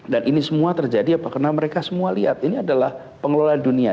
dan ini semua terjadi apa karena mereka semua lihat ini adalah pengelola dunia